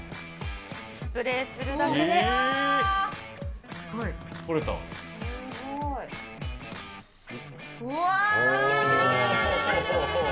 スプレーするだけで。